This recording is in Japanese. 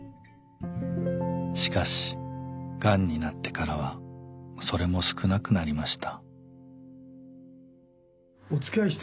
しかしがんになってからはそれも少なくなりました。